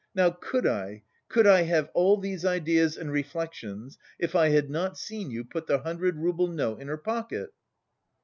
Now could I, could I, have all these ideas and reflections if I had not seen you put the hundred rouble note in her pocket?"